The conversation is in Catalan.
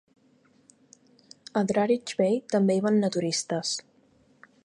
A Druridge Bay també hi van naturistes.